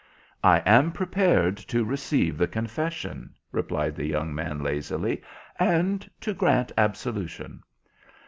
"I am prepared to receive the confession," replied the young man, lazily, "and to grant absolution."